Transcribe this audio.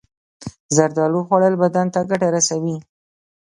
زردالو خوړل بدن ته ګټه رسوي.